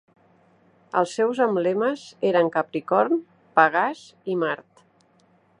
Els seus emblemes eren Capricorn, Pegàs i Mart.